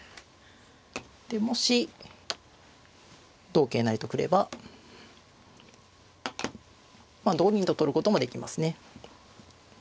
でもし同桂成と来れば同銀と取ることもできますね。